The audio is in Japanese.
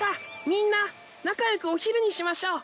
みんな仲良くお昼にしましょう。